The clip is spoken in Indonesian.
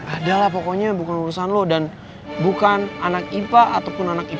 adalah pokoknya bukan urusan lo dan bukan anak ipa ataupun anak ipal